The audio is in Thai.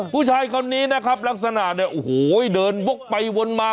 ผู้ชายคนนี้นะครับลักษณะเนี่ยโอ้โหเดินวกไปวนมา